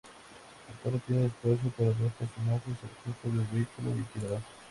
La torre tiene espacio para dos personas: el jefe del vehículo y el tirador.